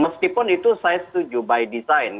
meskipun itu saya setuju by design